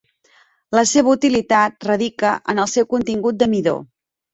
La seva utilitat radica en el seu contingut de midó.